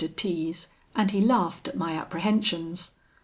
de T 's, and he laughed at my apprehensions.